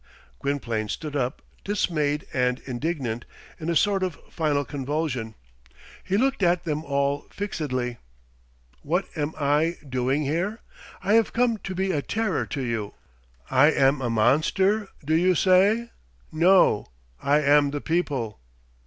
Gwynplaine stood up, dismayed and indignant, in a sort of final convulsion. He looked at them all fixedly. "What am I doing here? I have come to be a terror to you! I am a monster, do you say? No! I am the people!